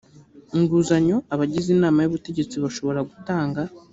nguzanyo abagize inama y ubutegetsi bashobora gutanga